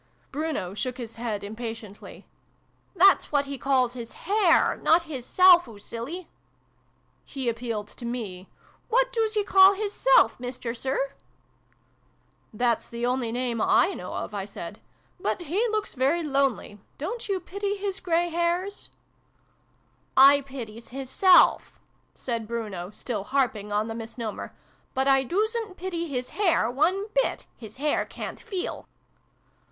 Bruno shook his head impatiently. " That's what he calls his hair, not his self, oo silly !" He appealed to me. " What doos he call his self, Mister Sir ?"" That's the only name / know of," I said. 11 But he looks very lonely. Don't you pity his grey hairs ?"" I pities his self," said Bruno, still harping on the misnomer; "but I doosn't pity his hair, one bit. His hair ca'n't feel